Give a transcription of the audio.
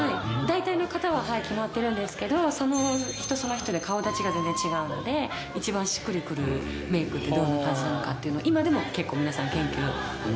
大体の型は決まってるんですけどその人その人で顔立ちが全然違うので一番しっくりくるメイクってどんな感じなのかっていうのは今でも結構皆さん研究してます。